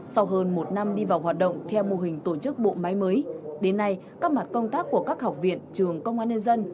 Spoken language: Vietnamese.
sau hơn một năm đi vào hoạt động theo mô hình tổ chức bộ máy mới đến nay các mặt công tác của các học viện trường công an nhân dân